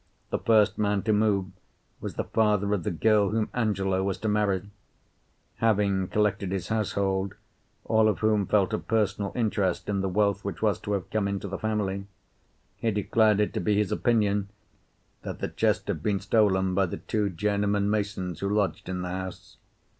The first man to move was the father of the girl whom Angelo was to marry; having collected his household, all of whom felt a personal interest in the wealth which was to have come into the family, he declared it to be his opinion that the chest had been stolen by the two journeyman masons who lodged in the house.